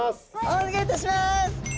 お願いいたします！